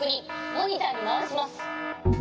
モニターにまわします。